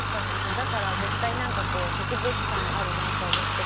だから絶対なんかこう特別感あるなと思って。